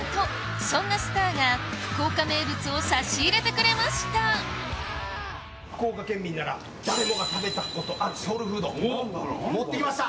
そんなスターが福岡名物を差し入れてくれました福岡県民なら誰もが食べたことあるソウルフード持ってきました。